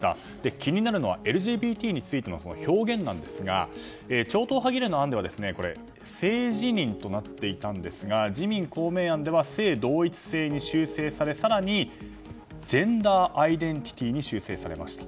気になるのはＬＧＢＴについての表現なんですが超党派議連の案では性自認となっていたんですが自民・公明案では性同一性に修正され更にジェンダーアイデンティティーに修正されました。